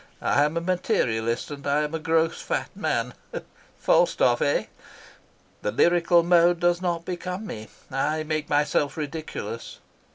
I am a materialist, and I am a gross, fat man Falstaff, eh? the lyrical mode does not become me. I make myself ridiculous.